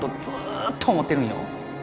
ずーっと思ってるんよ